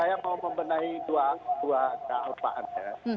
saya mau membenahi dua kealpaan ya